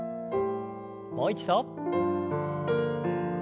もう一度。